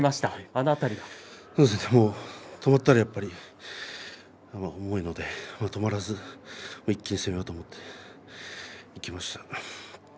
止まったら、やはり重いので止まらずに一気に攻めようと思っていきました。